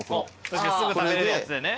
すぐ食べれるやつでね。